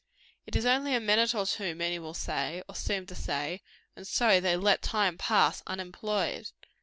It is only a minute or two, many will say, or seem to say; and so they let time pass unemployed.